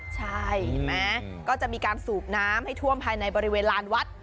ใช่เห็นไหมก็จะมีการสูบน้ำให้ท่วมภายในบริเวณลานวัด